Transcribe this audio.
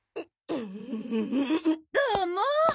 どうも。